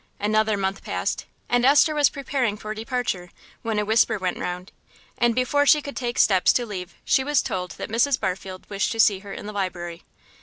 Another month passed, and Esther was preparing for departure when a whisper went round, and before she could take steps to leave she was told that Mrs. Barfield wished to see her in the library.